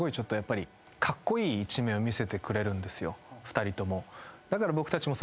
２人とも。